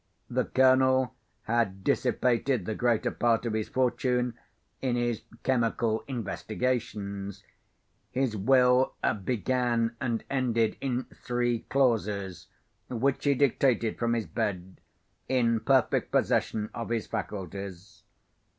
The Colonel had dissipated the greater part of his fortune in his chemical investigations. His will began and ended in three clauses, which he dictated from his bed, in perfect possession of his faculties.